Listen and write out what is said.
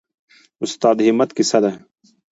استاد د همت کیسه ده.